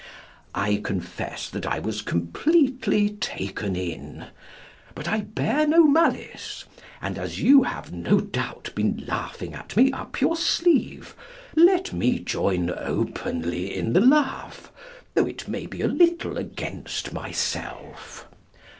I confess that I was completely taken in; but I bear no malice; and as you have, no doubt, been laughing at me up your sleeve, let me join openly in the laugh, though it be a little against myself.